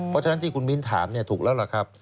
เพราะฉะนั้นที่คุณมินถามเนี่ยถูกแล้วหรอกครับ